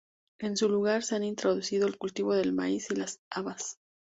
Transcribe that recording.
En su lugar se han introducido el cultivo del maíz y las habas.